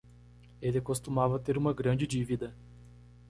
Ele costumava ter uma grande dívida